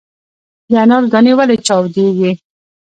د انارو دانې ولې چاودیږي؟